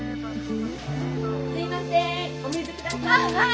・すいませんお水下さい。